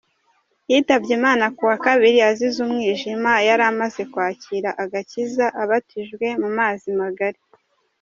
Yitabye Imana kuwa Kabiri azize umwijima yaramaze kwakira agakiza, abatijwe mu mazi magari.